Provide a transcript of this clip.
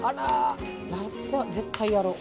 あら。絶対やろう。